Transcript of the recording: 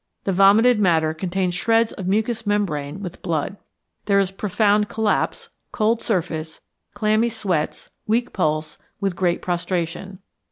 The vomited matter contains shreds of mucous membrane with blood. There is profound collapse, cold surface, clammy sweats, weak pulse, with great prostration.